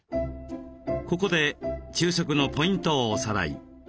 ここで昼食のポイントをおさらい。